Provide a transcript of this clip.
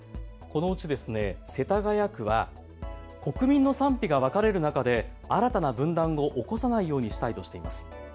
このうち世田谷区は国民の賛否が分かれる中で新たな分断を起こさないようにしたいとしています。